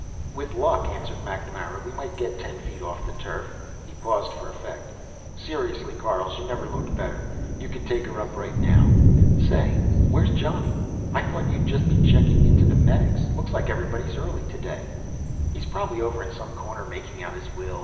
"With luck," answered MacNamara, "we might get ten feet off the turf." He paused for effect. "Seriously, Carl, she never looked better. You could take her up right now. Say, where's Johnny? I thought you'd just be checking in to the medics; looks like everybody's early today." "He's probably over in some corner, making out his will.